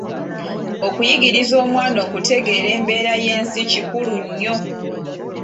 Okuyigiriza omwana okutegeera embeera y'ensi kikulu nnyo.